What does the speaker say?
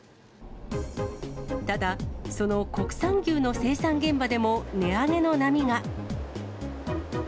ただ、その国産牛の生産現場でも、値上げの波が。